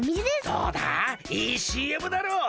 どうだいいＣＭだろう？